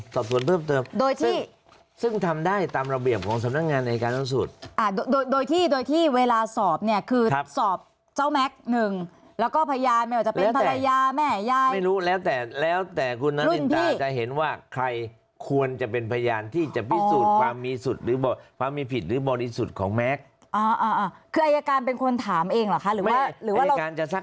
สอบสวนเพิ่มเติมโดยที่ซึ่งทำได้ตามระเบียบของสำนักงานอายการสูงสุดอ่าโดยโดยที่โดยที่เวลาสอบเนี่ยคือสอบเจ้าแม็กซ์หนึ่งแล้วก็พยานไม่ว่าจะเป็นภรรยาแม่ยายไม่รู้แล้วแต่แล้วแต่คุณนารินตาจะเห็นว่าใครควรจะเป็นพยานที่จะพิสูจน์ความมีสุดหรือบอกความมีผิดหรือบริสุทธิ์ของแม็กซ์คืออายการเป็นคนถามเองเหรอคะหรือว่าหรือว่าการจะซัก